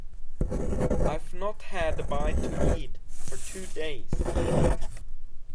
I’ve not had a bite to eat for two days.